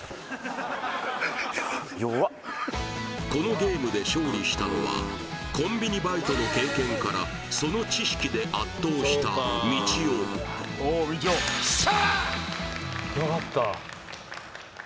このゲームで勝利したのはコンビニバイトの経験からその知識で圧倒したみちおよっしゃ！